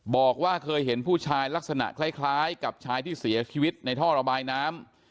บอกว่าเคยเห็นผู้ชายลักษณะคล้ายกับชายที่เสียชีวิตในท่อระบายน้ำ